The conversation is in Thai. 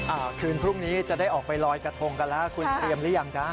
อ่าคืนพรุ่งนี้จะได้ออกไปลอยกระทงกันแล้วคุณเตรียมหรือยังจ๊ะ